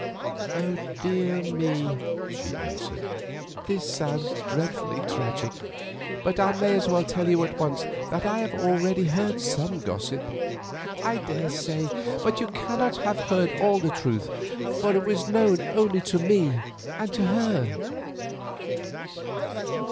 "Dear me," she answered; "this sounds dreadfully tragic. But I may as well tell you at once that I have already heard some gossip." "I daresay; but you cannot have heard all the truth, for it was known only to me and her."